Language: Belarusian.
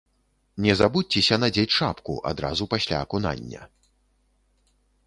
Не забудзьцеся надзець шапку адразу пасля акунання.